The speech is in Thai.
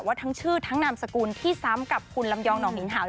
ทั้งชื่อทั้งนามสกุลที่ซ้ำกับคุณลำยองหนองหินเห่า